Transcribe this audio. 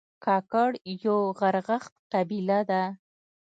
کاکړ یو غرغښت قبیله ده